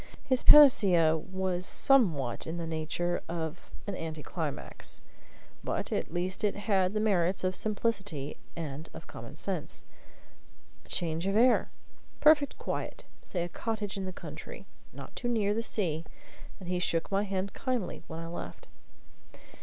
His panacea was somewhat in the nature of an anti climax, but at least it had the merits of simplicity and of common sense. A change of air perfect quiet say a cottage in the country not too near the sea. And he shook my hand kindly when I left.